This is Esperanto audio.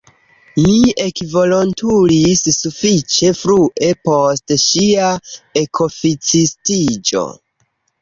Mi ekvolontulis sufiĉe frue post ŝia ekoficistiĝo.